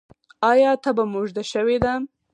ایا تبه مو اوږده شوې ده؟